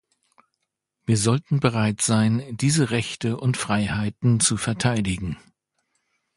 Wir sollten bereit sein, diese Rechte und Freiheiten zu verteidigen.